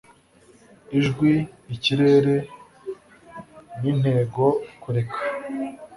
ijwi, ikirere n'intego kureka